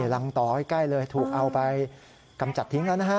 รังต่อให้ใกล้เลยถูกเอาไปกำจัดทิ้งแล้วนะฮะ